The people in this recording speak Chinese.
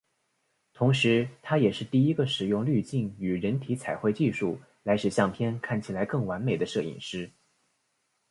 同时他也是第一个使用滤镜与人体彩绘技术来使相片看起来更完美的摄影师。